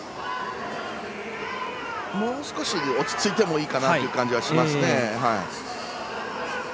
もう少し落ち着いてもいいかなという感じがしますね。